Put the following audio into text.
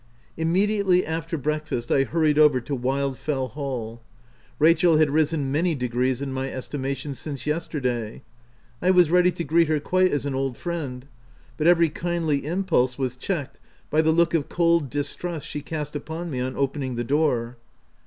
Immediately after breakfast, I hurried over to Wildfell Hall. Rachel had risen many degrees in my estimation since yesterday. I was ready to greet her quite as an old friend ; but every kindly impulse was checked by the look of cold distrust she cast upon me on opening the door.